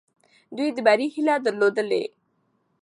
دوی د بري هیله درلودلې.